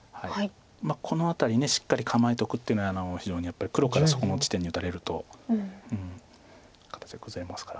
まあこの辺りしっかり構えておくっていうのは非常にやっぱり黒からそこの地点に打たれると形が崩れますから。